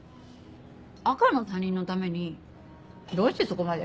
赤の他人のためにどうしてそこまで？